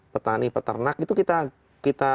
petani peternak itu kita